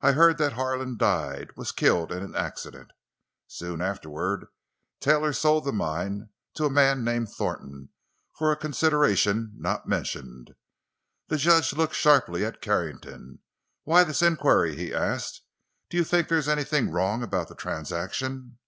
I heard that Harlan died—was killed in an accident. Soon afterward, Taylor sold the mine—to a man named Thornton—for a consideration, not mentioned." The judge looked sharply at Carrington. "Why this inquiry?" he asked; "do you think there is anything wrong about the transaction?"